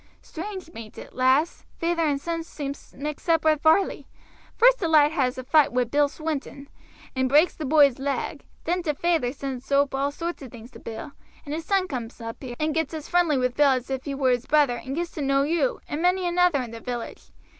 "Strange, bain't it, lass; feyther and son seem mixed up with Varley. First the lad has a foight wi' Bill Swinton, and braakes the boy's leg; then t' feyther sends oop all sorts o' things to Bill, and his son comes up here and gets as friendly with Bill as if he were his brother, and gets to know you, and many another in the village.